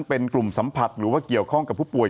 เป็นกลุ่มสัมผัสหรือว่าเกี่ยวข้องกับผู้ป่วย